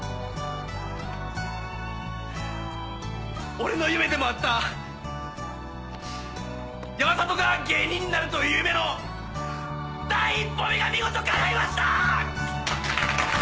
俺の夢でもあった山里が芸人になるという夢の第一歩目が見事かないました！